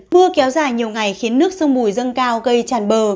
mưa kéo dài nhiều ngày khiến nước sông bùi dâng cao gây tràn bờ